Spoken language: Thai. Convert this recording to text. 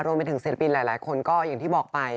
รวมไปถึงศิลปินหลายคนก็อย่างที่บอกไป